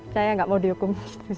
saya nggak mau dihukum